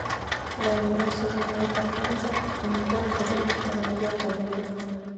له الله سبحانه وتعالی څخه انكار د ډېري حيرانتيا خبره ده